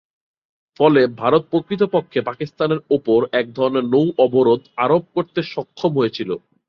ফলে ভারত প্রকৃতপক্ষে পাকিস্তানের ওপর এক ধরনের নৌ অবরোধ আরোপ করতে সক্ষম হয়েছিল।